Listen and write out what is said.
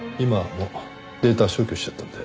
データ消去しちゃったんで。